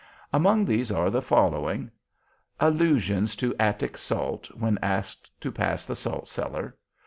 Among these are the following: Allusions to Attic salt, when asked to pass the salt cellar.